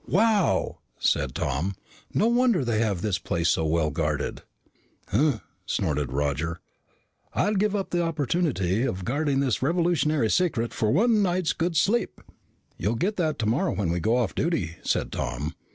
"Wow!" said Tom. "No wonder they have this place so well guarded." "Humph," snorted Roger. "I'd give up the opportunity of guarding this revolutionary secret for one night's good sleep." "You'll get that tomorrow when we go off duty," said Tom.